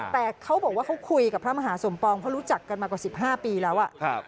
แต่เขาบอกว่าเขาคุยกับพระมหาสมปองเพราะรู้จักกันมากว่า๑๕ปีแล้ว